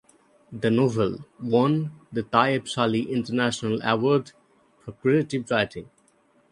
The novel won the Tayeb Salih International Award for Creative Writing.